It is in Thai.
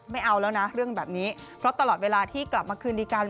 ไม่เอาแล้วนะเรื่องแบบนี้เพราะตลอดเวลาที่กลับมาคืนดีกัน